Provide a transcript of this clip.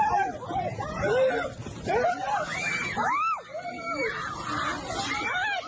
เอาเขาเข้าไปก่อนเอาเขาเข้าไปก่อน